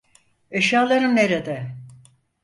Eşyalarım nerede?